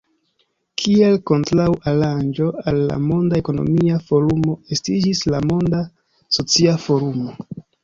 Kiel kontraŭa aranĝo al la Monda Ekonomia Forumo estiĝis la Monda Socia Forumo.